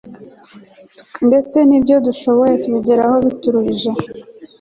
ndetse n'ibyo dushoboye tubigeraho bituruhije